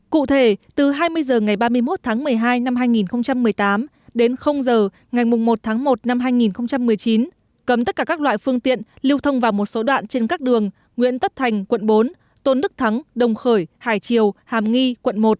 cụ thể từ hai mươi h ngày ba mươi một tháng một mươi hai năm hai nghìn một mươi tám đến h ngày một tháng một năm hai nghìn một mươi chín cấm tất cả các loại phương tiện lưu thông vào một số đoạn trên các đường nguyễn tất thành quận bốn tôn đức thắng đồng khởi hải triều hàm nghi quận một